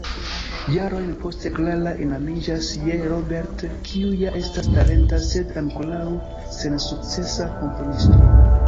Jarojn poste Clara enamiĝas je Robert, kiu ja estas talenta, sed ankoraŭ sensukcesa komponisto.